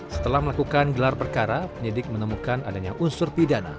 setelah melakukan gelar perkara penyidik menemukan adanya unsur pidana